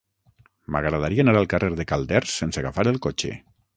M'agradaria anar al carrer de Calders sense agafar el cotxe.